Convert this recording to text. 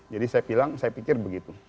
jadi saya bilang saya pikir begitu